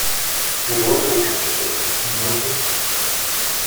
Il ruolo dei Cacciatori è molto antico.